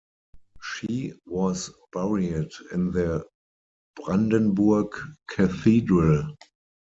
She was buried in the Brandenburg Cathedral.